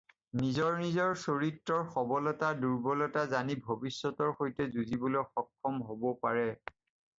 নিজৰ নিজৰ চৰিত্ৰৰ সবলতা দুৰ্ব্বলতা জানি ভৱিষ্যতৰ সৈতে যুঁজিবলৈ সক্ষম হ'ব পাৰে।